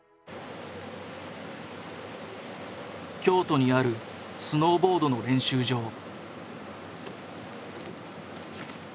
京都にあるスノーボードの練習場。